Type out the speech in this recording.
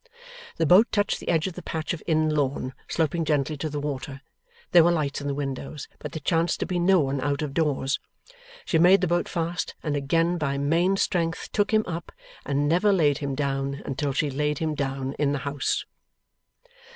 The boat touched the edge of the patch of inn lawn, sloping gently to the water. There were lights in the windows, but there chanced to be no one out of doors. She made the boat fast, and again by main strength took him up, and never laid him down until she laid him down in the house.